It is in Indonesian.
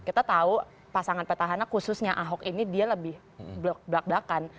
kita tahu pasangan petahana khususnya ahok ini dia lebih belak belakan